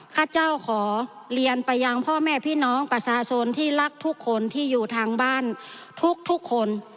ข้าเจ้าขอเรียนไปยังพ่อแม่พี่น้องประชาชนที่รักทุกคนที่อยู่ทางบ้านทุกคน